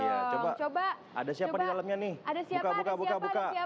iya coba ada siapa di dalamnya nih buka buka buka